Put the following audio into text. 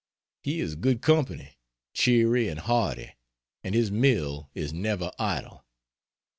He is good company, cheery and hearty, and his mill is never idle.